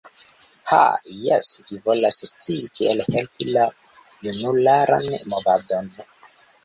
Ha, jes, vi volas scii kiel helpi la junularan movadon.